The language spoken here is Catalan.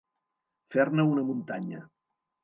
Fer-ne una muntanya.